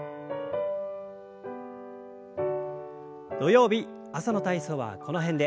土曜日朝の体操はこの辺で。